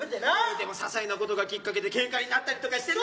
でもささいなことがきっかけでけんかになったりとかしてな。